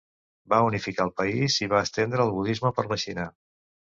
Va unificar el país i va estendre el budisme per la Xina.